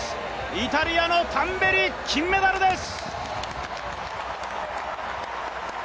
イタリアのタンベリ、金メダルです！